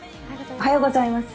おはようございます。